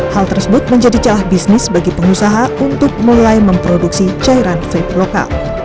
hal tersebut menjadi celah bisnis bagi pengusaha untuk mulai memproduksi cairan vape lokal